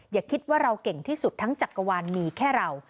อย่าคิดว่าเราเก่งที่สุดทั้งจักรวาลมีแค่เรา